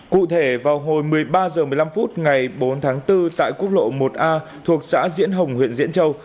cụ thể vào hồi một mươi ba h một mươi năm phút ngày bốn tháng bốn tại quốc lộ một a thuộc xã diễn hồng huyện diễn châu